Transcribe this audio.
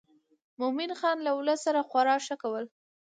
مومن خان له ولس سره خورا ښه کول.